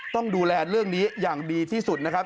ต้องดูแลเรื่องนี้อย่างดีที่สุดนะครับ